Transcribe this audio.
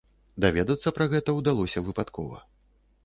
Даведацца пра гэта ўдалося выпадкова.